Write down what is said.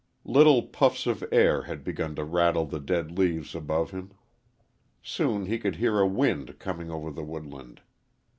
Little puffs of air had begun to rattle the dead leaves above him. Soon he could hear a wind coming over the woodland.